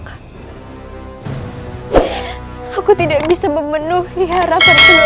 namun aku tidak mau bertiga orang